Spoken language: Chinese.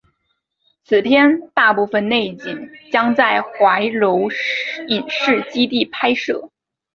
此片大部分内景将在怀柔影视基地拍摄。